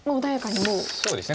そうですね。